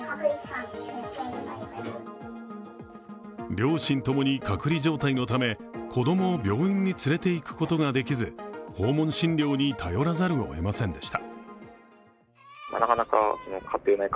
両親共に隔離状態のため子供を病院に連れていくことができず、訪問診療に頼らざるを得ませんでした。